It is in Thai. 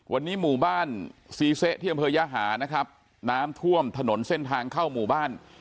วันนี้หมู่บ้านซีเซที่อำเภอยหานะครับน้ำท่วมถนนเส้นทางเข้าหมู่บ้าน